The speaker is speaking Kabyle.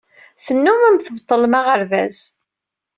Tennumem tbeṭṭlem aɣerbaz.